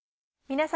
皆様。